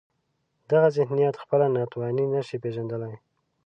دغه ذهنیت خپله ناتواني نشي پېژندلای.